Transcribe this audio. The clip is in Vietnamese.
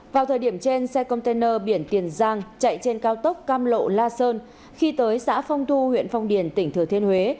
vào thời điểm trên xe container biển tiền giang chạy trên cao tốc cam lộ la sơn khi tới xã phong thu huyện phong điền tỉnh thừa thiên huế